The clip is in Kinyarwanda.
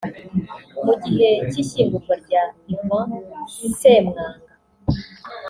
Mu gihe cy’ishyingurwa rya Ivan Ssemwanga